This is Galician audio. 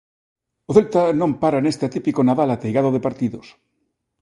O Celta non para neste atípico Nadal ateigado de partidos.